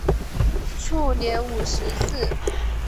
卒年五十四。